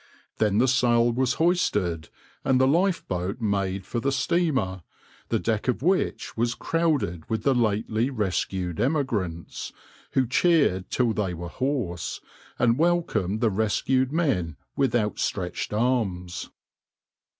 Then the sail was hoisted, and the lifeboat made for the steamer, the deck of which was crowded with the lately rescued emigrants, who cheered till they were hoarse, and welcomed the rescued men with outstretched arms.